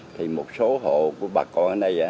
thì một số hộ của bà con ở đây